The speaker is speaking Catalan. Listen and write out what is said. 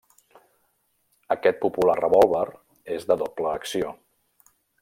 Aquest popular revòlver és de doble acció.